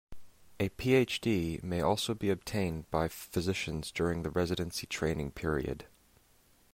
A PhD may also be obtained by physicians during the residency training period.